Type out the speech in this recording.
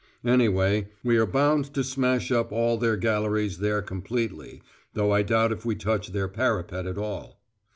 Anyway, we are bound to smash up all their galleries there completely, though I doubt if we touch their parapet at all."